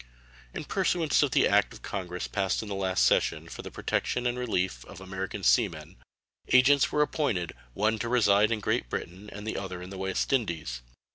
In pursuance of the act of Congress passed in the last session for the protection and relief of American sea men, agents were appointed, one to reside in Great Britain and the other in the West Indies.